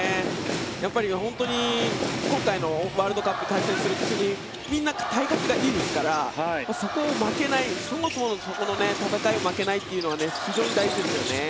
本当に今回のワールドカップで対戦する国みんな体格がいいですからそこを負けないそもそもそこの戦いで負けないのが非常に大事ですよね。